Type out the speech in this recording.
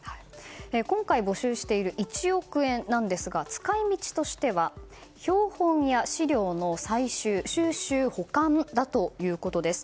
今回募集している１億円ですが使い道としては、標本や資料の収集・保管だということです。